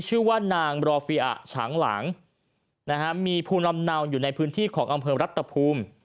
ชื่อว่านางรอฟิอะฉางหลังนะฮะมีภูมิลำเนาอยู่ในพื้นที่ของอำเภอรัฐภูมิ